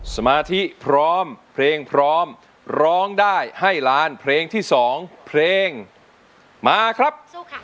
สมาธิพร้อมเพลงพร้อมร้องได้ให้ล้านเพลงที่๒เพลงมาครับสู้ค่ะ